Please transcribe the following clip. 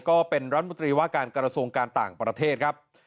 ก็เป็นรัฐมนตรีว่าการกระทรวงการต่างประเทศครับ